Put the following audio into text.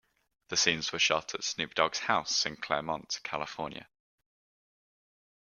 The scenes were shot at Snoop Dogg's house in Claremont, California.